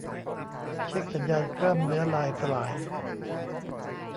เช็กสัญญาณกล้ามเนื้อลายสลาย